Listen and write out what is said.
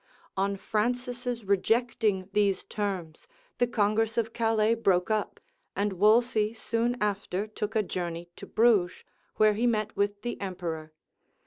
{1521.} On Francis's rejecting these terms, the congress of Calais broke up; and Wolsey soon after took a journey to Bruges, where he met with the emperor.